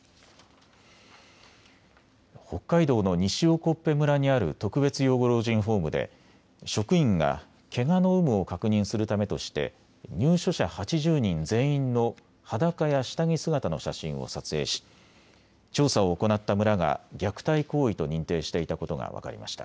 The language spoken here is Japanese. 北海道の西興部村にある特別養護老人ホームで職員がけがの有無を確認するためとして入所者８０人全員の裸や下着姿の写真を撮影し調査を行った村が虐待行為と認定していたことが分かりました。